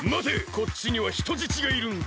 こっちにはひとじちがいるんだ。